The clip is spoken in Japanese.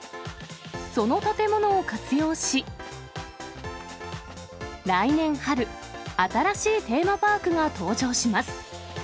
その建物を活用し、来年春、新しいテーマパークが登場します。